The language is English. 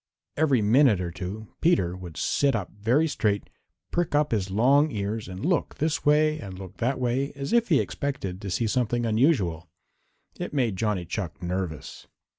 Every minute or two Peter would sit up very straight, prick up his long ears and look this way and look that way as if he expected to see something unusual. It made Johnny Chuck nervous.